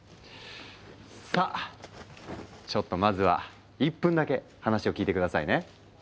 さあちょっとまずは１分だけ話を聞いて下さいね！